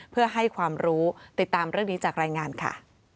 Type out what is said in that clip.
เพื่อให้ความรู้ติดตามเรื่องนี้จากรายงานค่ะ